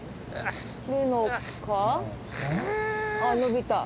あっ伸びた。